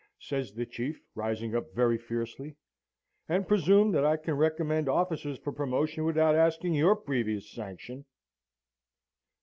says the Chief, rising up very fiercely; 'and presume that I can recommend officers for promotion without asking your previous sanction.'